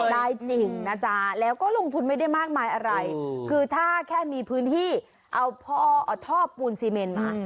ได้จริงนะจ๊ะแล้วก็ลงทุนไม่ได้มากมายอะไรคือถ้าแค่มีพื้นที่เอาท่อปูนซีเมนมา